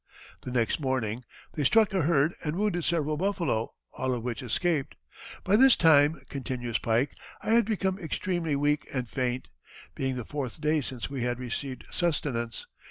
The next morning they struck a herd and wounded several buffalo, all of which escaped. "By this time," continues Pike, "I had become extremely weak and faint, being the fourth day since we had received sustenance.